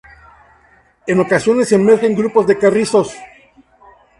En ocasiones emergen grupos de carrizos.